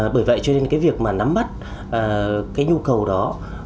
bởi vậy cho nên cái việc mà nắm bắt cái nhu cầu đó